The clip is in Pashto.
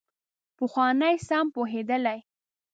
پخواني سم پوهېدلي.